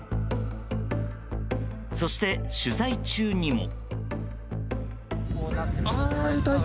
そして、取材中にも。